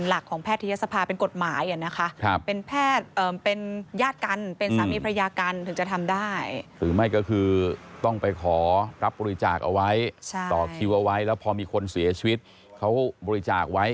อันนี้เป็นหลักของแพทยศภาเป็นกฎหมาย